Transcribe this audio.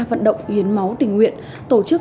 vận động hiến máu tình nguyện tổ chức